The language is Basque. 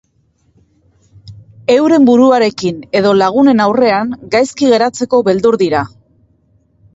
Euren buruarekin edo lagunen aurrean gaizki geratzeko beldur dira.